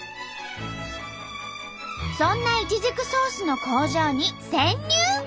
そんなイチジクソースの工場に潜入！